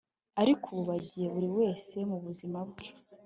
ariko ubu bagiye, buri wese mubuzima bwe